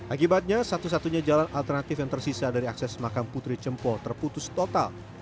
akibatnya satu satunya jalan alternatif yang tersisa dari akses makam putri cempo terputus total